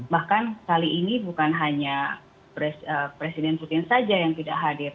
bahkan kali ini bukan hanya presiden putin saja yang tidak hadir